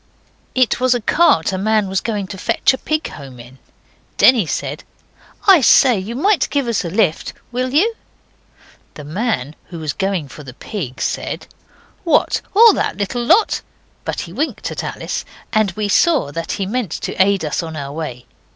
It was a cart a man was going to fetch a pig home in. Denny said 'I say, you might give us a lift. Will you?' The man who was going for the pig said 'What, all that little lot?' but he winked at Alice, and we saw that he meant to aid us on our way.